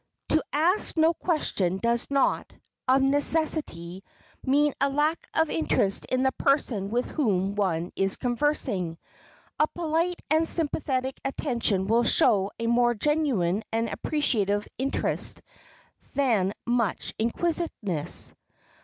To ask no question does not, of necessity, mean a lack of interest in the person with whom one is conversing. A polite and sympathetic attention will show a more genuine and appreciative interest than much inquisitiveness.